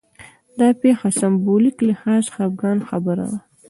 دا پېښه سېمبولیک لحاظ خپګان خبره وه